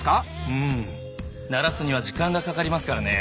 うん慣らすには時間がかかりますからね。